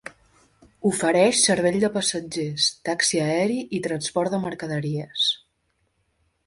Ofereix servei de passatgers, taxi aeri i transport de mercaderies.